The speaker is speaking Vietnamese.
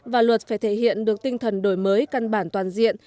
và luật phải thể hiện được tinh thần đổi mới căn bản toàn diện